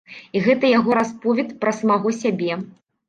І гэта яго расповед пра самога сабе.